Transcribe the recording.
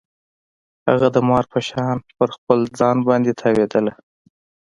هغه د مار په شان په خپل ځان باندې تاوېدله.